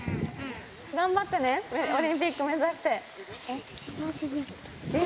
頑張ってね、オリンピック目指して。